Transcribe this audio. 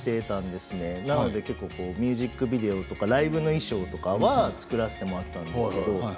ですのでミュージックビデオとかライブの衣装とかは作らせてもらっていたんです。